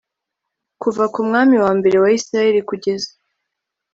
kuva ku mwami wa mbere wa isirayeli kugeza